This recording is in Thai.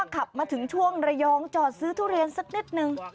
ขับมาถึงช่วงระยองจอดซื้อทุเรียนสักนิดนึง